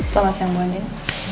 selamat siang bu andin